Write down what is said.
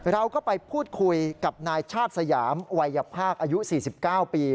เราก็ไปพูดคุยกับนายชาติสยามวัยภาคอายุ๔๙ปี